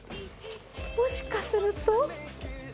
もしかすると。